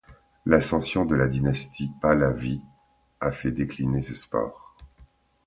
L'ascension de la dynastie Pahlavi a fait décliner ce sport.